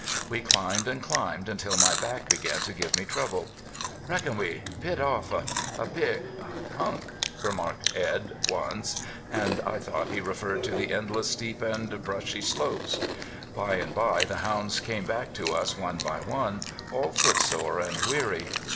We climbed and climbed, until my back began to give me trouble. "Reckon we bit off a big hunk," remarked Edd once, and I thought he referred to the endless steep and brushy slopes. By and bye the hounds came back to us one by one, all footsore and weary.